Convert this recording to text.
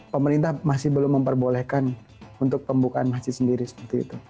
pemerintah masih belum memperbolehkan untuk pembukaan masjid sendiri seperti itu